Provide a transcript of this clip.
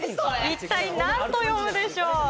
一体何と読むでしょう？